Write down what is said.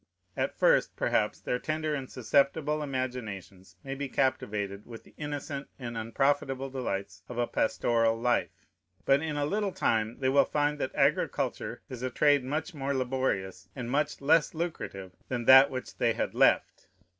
At first, perhaps, their tender and susceptible imaginations may be captivated with the innocent and unprofitable delights of a pastoral life; but in a little time they will find that agriculture is a trade much more laborious and much less lucrative than that which they had left.